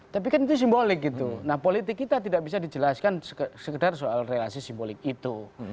tapi kan itu simbolik gitu nah politik kita tidak bisa dijelaskan sekedar soal relasi simbolik itu